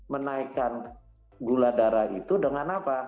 menaikkan gula darah itu dengan apa